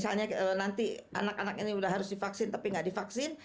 kalau sakit covid misalnya nanti anak anak ini udah harus divaksin tapi nggak divaksin